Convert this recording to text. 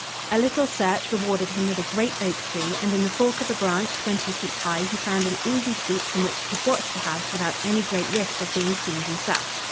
A little search rewarded him with a great oak tree, and in the fork of a branch twenty feet high he found an easy seat from which he could watch the house without any great risk of being seen himself.